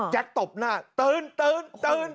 แจ๊กตบหน้าตื้นตื้นตื้น